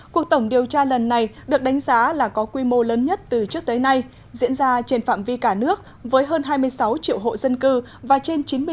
cuộc tổng điều tra lần này được đánh giá là có quy mô lớn nhất từ trước tới nay diễn ra trên phạm vi cả nước với hơn hai mươi sáu triệu hộ dân cư và trên chín mươi triệu người